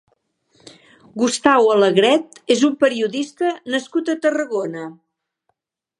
Gustau Alegret és un periodista nascut a Tarragona.